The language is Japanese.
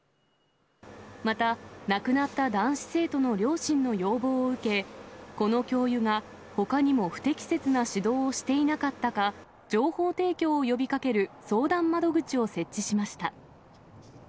また、亡くなった男子生徒の両親の要望を受け、この教諭が、ほかにも不適切な指導をしていなかったか、情報提供を呼びかける相談窓口を設置しました。